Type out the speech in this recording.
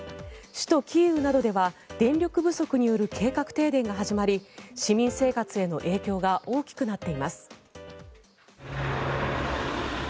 首都キーウなどでは電力不足による計画停電が始まり市民生活への影響が大きくなっています。